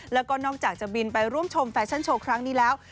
แล้วก็นอกจากจะบินไปร่วมชมแฟชั่นโชว์ครั้งนี้แล้ว